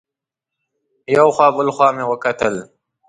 یو خوا بل خوا مې وکتل.